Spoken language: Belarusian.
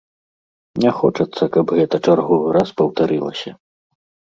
Не хочацца, каб гэта чарговы раз паўтарылася.